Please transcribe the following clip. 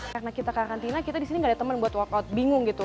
karena kita karantina kita di sini nggak ada teman buat workout bingung gitu